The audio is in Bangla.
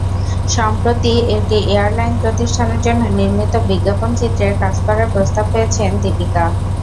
সম্প্রতি একটি এয়ারলাইন প্রতিষ্ঠানের জন্য নির্মিত বিজ্ঞাপনচিত্রে কাজ করার প্রস্তাব পেয়েছেন দীপিকা।